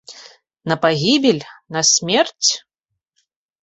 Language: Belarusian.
На пагібель, на смерць?